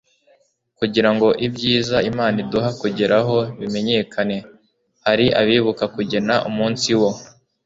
kugira ngo ibyiza imana iduha kugeraho bimenyekane, hari abibuka kugena umunsi wo